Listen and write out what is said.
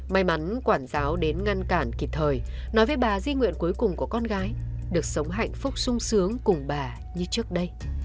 may mắn quản giáo đến ngăn cản kịp thời nói với bà di nguyện cuối cùng của con gái được sống hạnh phúc sung sướng cùng bà như trước đây